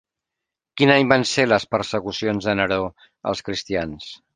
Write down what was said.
Quin any van ser les persecucions de Neró als cristians?